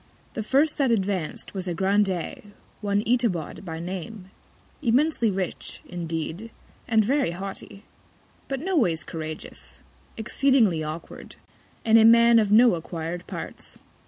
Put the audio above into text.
The first that advanc'd was a Grandee, one Itabod by Name, immensely rich, indeed, and very haughty; but no ways couragious; exceedingly awkward, and a Man of no acquir'd Parts.